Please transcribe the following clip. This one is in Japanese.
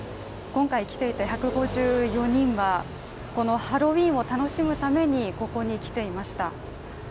今回来ていた１５４人は、このハロウィーンを楽しむためにここに来ていました。